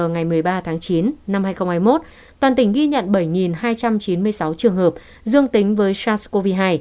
ngày một mươi ba tháng chín năm hai nghìn hai mươi một toàn tỉnh ghi nhận bảy hai trăm chín mươi sáu trường hợp dương tính với sars cov hai